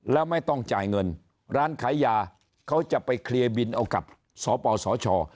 แล้วไม่ต้องจ่ายเงินร้านขายยาเขาจะไปเคลียร์บินเอากับสปสช